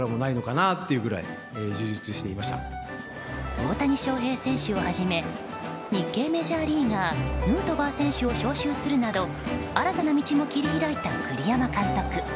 大谷翔平選手をはじめ日系メジャーリーガーヌートバー選手を招集するなど新たな道も切り開いた栗山監督。